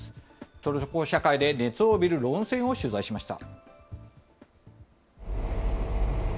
トルコ社会で熱を帯びる論戦を取材しました。